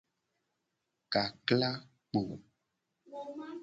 Kakla kpo.